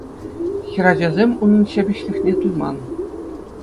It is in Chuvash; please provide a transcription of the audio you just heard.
Хӗрачасем унӑн ҫепӗҫлӗхне туйман.